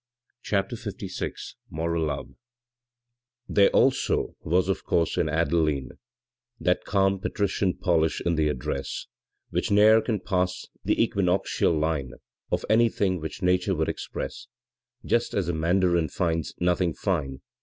HAPTER LVI MORAL LOVE There also was of course in Adeline That calm patrician polish in the address, Which ne'er can pass the equinoctial line Of anything which Nature would express ; Just as a Mandarin finds nothing fine.